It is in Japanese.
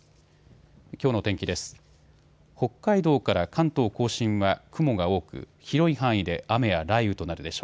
きょうの天気です。